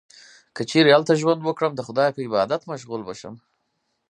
که چیرې هلته ژوند وکړم، د خدای په عبادت مشغوله به شم.